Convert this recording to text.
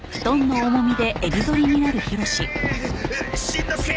しんのすけ！